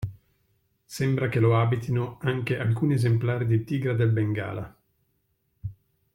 Sembra che lo abitino anche alcuni esemplari di tigre del Bengala.